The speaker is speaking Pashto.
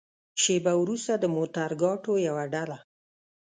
شېبه وروسته د موترګاټو يوه ډله.